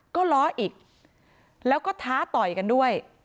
ก็ล้ออีกแล้วก็ท้าต่อยกันด้วย